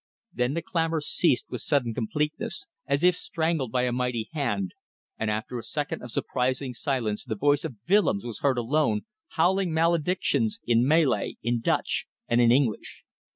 Then the clamour ceased with sudden completeness, as if strangled by a mighty hand, and after a second of surprising silence the voice of Willems was heard alone, howling maledictions in Malay, in Dutch, and in English.